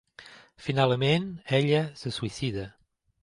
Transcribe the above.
Finalment ella se suïcida.